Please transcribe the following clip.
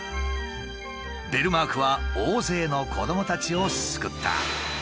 ベルマークは大勢の子どもたちを救った。